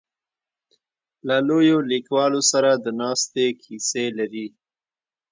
له لویو لیکوالو سره د ناستې کیسې لري.